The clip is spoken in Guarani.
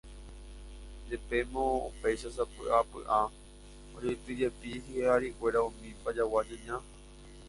Jepémo upéicha, sapy'apy'a, ojeitýjepi hi'arikuéra umi Pajagua ñaña